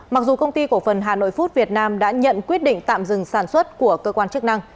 mặc dù công ty cổ phần hà nội food việt nam đã nhận quyết định tạm dừng sản xuất của cơ quan chức năng